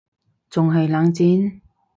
仲係冷戰????？